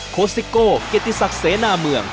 โคสิโก้เกียรติศักดิ์เสนาเมือง